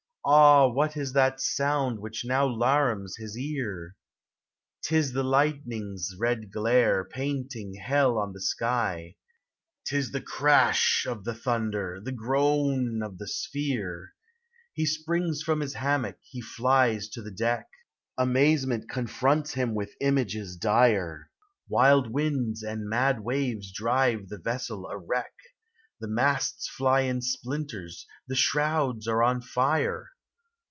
Ah ! what is that sound which now T larums his ear? 440 POEMS OF NATURE. 'T is the lightning's red glare, painting hell on the sky! 'T is the crash of the thunder, the groan of the sphere ! He springs from his hammock, he flies to the deck; Amazement confronts him with images dire; Wild winds and mad waves drive the vessel a wreck; The masts fly in splinters; the shrouds are on fire.